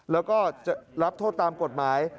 แล้วก็จะรับโทษตามกฎหมาย